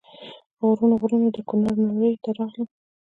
په غرونو غرونو د کونړ ناړۍ ته راغلم.